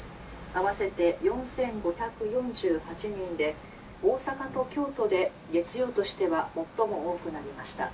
合わせて４，５４８人で大阪と京都で月曜としては最も多くなりました」。